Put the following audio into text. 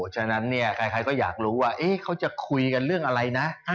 ฉะนั้นเนี่ยใครก็อยากรู้ว่าเขาจะคุยกันเรื่องอะไรนะ